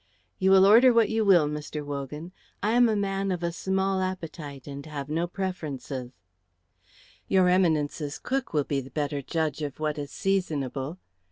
"You will order what you will, Mr. Wogan. I am a man of a small appetite and have no preferences." "Your Eminence's cook will be the better judge of what is seasonable.